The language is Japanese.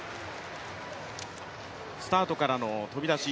スタートからの飛び出し